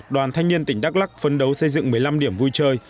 đoàn thanh niên tỉnh đắk lắc phấn đấu xây dựng một mươi năm điểm vui chơi